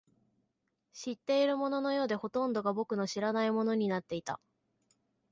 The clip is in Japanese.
知っているもののようで、ほとんどが僕の知らないものになっていた